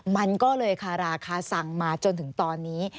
มันก็เลยคาราคาสั่งมาจนถึงตอนนี้